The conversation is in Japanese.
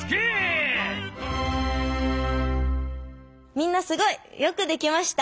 みんなすごい！よくできました！